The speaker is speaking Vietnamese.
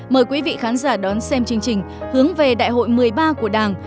mời quý vị khán giả đón xem chương trình hướng về đại hội một mươi ba của đảng